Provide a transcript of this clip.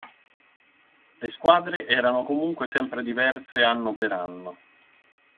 Le squadre erano comunque sempre diverse anno per anno.